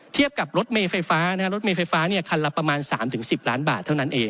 เทียบกับรถเมฟย์ไฟฟ้าที่คันละประมาณ๓๑๐ล้านบาท